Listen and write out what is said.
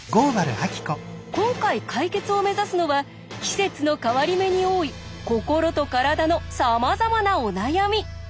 今回解決を目指すのは季節の変わり目に多い心と体のさまざまなお悩み。